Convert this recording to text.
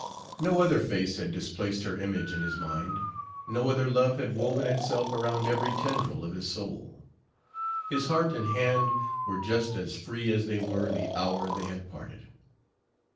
No other face had displaced her image in his mind; no other love had woven itself around every tendril of his soul. His heart and hand were just as free as they were the hour they had parted.